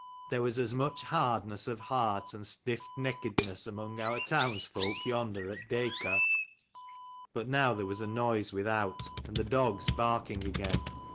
There was as much hardness of heart and stiffneckedness among our townsfolk yonder at Dacor " But now there was a noise without, and the dogs barking again.